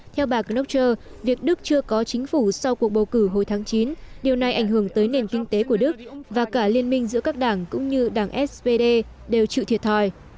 theo bà cloucher việc đức chưa có chính phủ sau cuộc bầu cử hồi tháng chín điều này ảnh hưởng tới nền kinh tế của đức và cả liên minh giữa các đảng cũng như đảng spd đều chịu thiệt thòi